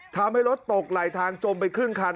ทำให้รถตกไหลทางจมไปครึ่งคัน